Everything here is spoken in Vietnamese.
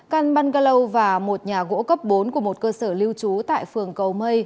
căn bungalow và một nhà gỗ cấp bốn của một cơ sở lưu trú tại phường cầu mây